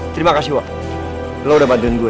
terima kasih wak lo udah bantuin gue